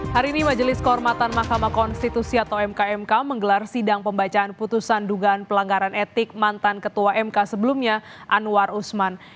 hari ini majelis kehormatan mahkamah konstitusi atau mkmk menggelar sidang pembacaan putusan dugaan pelanggaran etik mantan ketua mk sebelumnya anwar usman